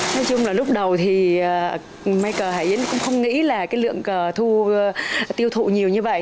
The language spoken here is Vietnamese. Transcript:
nói chung là lúc đầu thì may cờ hải yến cũng không nghĩ là cái lượng cờ tiêu thụ nhiều như vậy